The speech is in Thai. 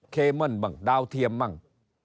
เคเบิ้ลบ้างดาวเทียมบ้าง